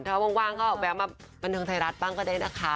ถ้าว่างก็แวะมาบันเทิงไทยรัฐบ้างก็ได้นะคะ